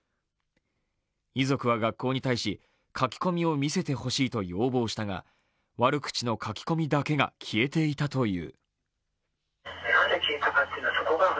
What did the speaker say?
遺族は学校に対し、書き込みを見せてほしいと要望したが悪口の書き込みだけが消えていたという。